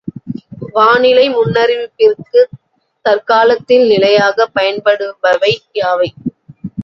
வானிலை முன்னறிவிப்பிற்குத் தற்காலத்தில் நிலையாகப் பயன்படுபவை யாவை?